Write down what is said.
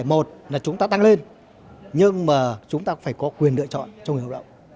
một là chúng ta tăng lên nhưng mà chúng ta phải có quyền lựa chọn cho người lao động